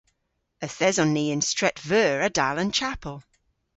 Yth eson ni yn Stret Veur a-dal an chapel.